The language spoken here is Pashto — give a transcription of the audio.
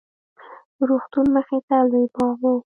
د روغتون مخې ته لوى باغ و.